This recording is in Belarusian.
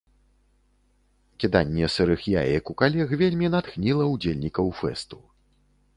Кіданне сырых яек у калег вельмі натхніла ўдзельнікаў фэсту.